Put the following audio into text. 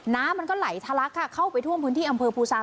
น้ำมันก็ไหลทะลักค่ะเข้าไปท่วมพื้นที่อำเภอภูซาง